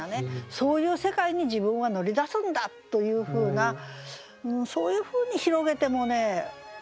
そういう世界に自分は乗り出すんだ！というふうなそういうふうに広げてもねいいんじゃないでしょうかね。